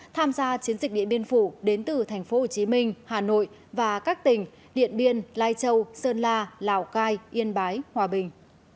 tham gia chiến dịch điện biên phủ đến từ thành phố hồ chí minh hà nội và các tỉnh điện biên lai châu sơn la lào cai yên bái hòa bình